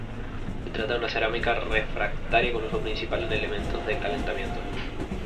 Se trata de una cerámica refractaria con uso principal en elementos de calentamiento.